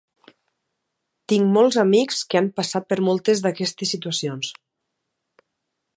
Tinc molts amics que han passat per moltes d'aquestes situacions.